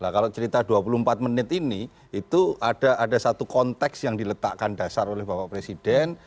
kalau cerita dua puluh empat menit ini itu ada satu konteks yang diletakkan dasar oleh bapak presiden